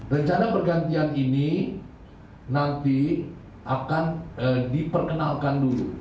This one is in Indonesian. rencana pergantian ini nanti akan diperkenalkan dulu